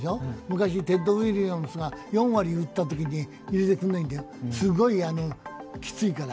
昔テッド・ウィリアムスが４割打ったときに、入れてくれないんだよ、すごいきついから。